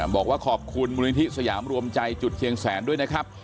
บอกว่าขอบคุณมูลนิธิสยามรวมใจจุดเชียงแสนด้วยนะครับ